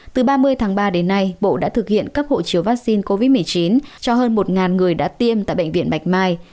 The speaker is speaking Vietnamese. từ ba mươi tháng ba đến nay bộ đã thực hiện cấp hộ chiếu vaccine covid một mươi chín cho hơn một người đã tiêm tại bệnh viện bạch mai